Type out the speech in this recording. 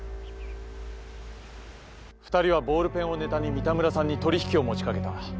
２人はボールペンをネタに三田村さんに取引を持ち掛けた。